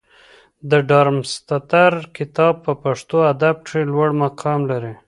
د ډارمستتر کتاب په پښتو ادب کښي لوړ مقام لري.